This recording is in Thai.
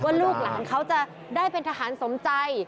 ลูกหลานเขาจะได้เป็นทหารสมใจ